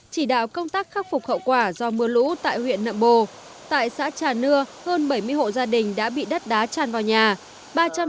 chỉ đạo công tác khắc phục hậu quả do mưa lũ tại huyện nậm bồ tại xã trà nưa hơn bảy mươi hộ gia đình đã bị đất đá tràn vào nhà